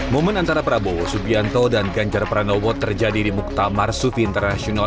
momen antara prabowo subianto dan ganjar pranowo terjadi di muktamar sufi internasional